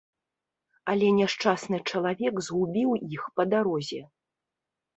Але няшчасны чалавек згубіў іх па дарозе.